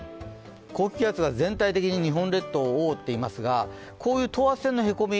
高気圧が全体的に日本列島を覆っていますがこういう等圧線のへこみ